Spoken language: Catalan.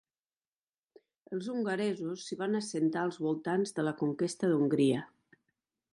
Els hongaresos s'hi van assentar als voltants de la conquesta d'Hongria.